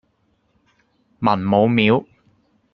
文武廟